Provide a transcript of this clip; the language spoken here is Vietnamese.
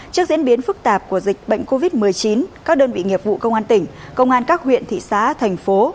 trước diễn biến phức tạp của dịch bệnh covid một mươi chín các đơn vị nghiệp vụ công an tỉnh công an các huyện thị xã thành phố